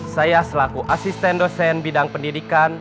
saya selaku asisten dosen bidang pendidikan